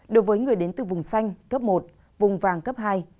đối với người đến từ vùng xanh cấp một vùng vàng cấp hai